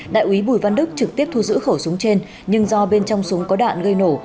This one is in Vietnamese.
đại quý bùi văn đức trực tiếp thu giữ khẩu súng trên nhưng do bên trong súng có đạn gây nổ